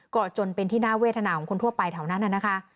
ก็จนเป็นที่น่าเวทนาของคนทั่วไปแถวนั้นน่ะนะคะ